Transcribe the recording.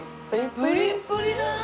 プリップリだ！